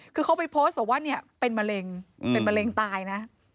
คือเขาไปโพสต์บอกว่าเนี่ยเป็นมะเร็งเป็นมะเร็งตายนะ